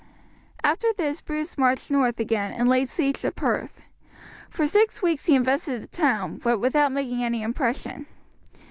After this Bruce marched north again and laid siege to Perth. For six weeks he invested the town, but without making any impression.